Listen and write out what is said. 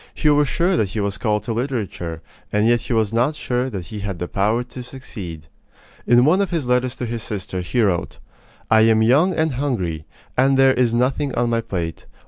He was sure that he was called to literature, and yet he was not sure that he had the power to succeed. In one of his letters to his sister, he wrote: I am young and hungry, and there is nothing on my plate.